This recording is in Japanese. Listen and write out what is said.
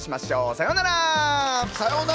さようなら。